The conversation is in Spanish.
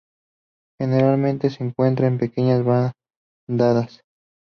Generalmente se encuentra en pequeñas bandadas.